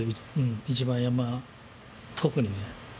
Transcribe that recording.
一番山笠特にね。